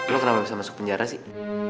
lo kenapa bisa masuk penjara sih